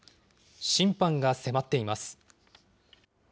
審判が迫っています。